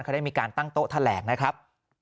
เขาได้มีการตั้งโต๊ะแถลงนะครับ